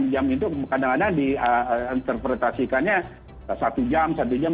enam jam itu kadang kadang di interpretasikannya satu jam satu jam